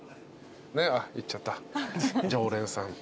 ねっあっ行っちゃった常連さん。